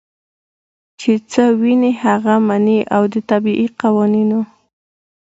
چې څۀ ويني هغه مني او د طبعي قوانینو